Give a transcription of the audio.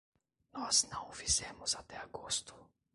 Nós não o fizemos até agosto.